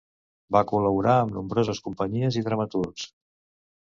Va col·laborar amb nombroses companyies i dramaturgs.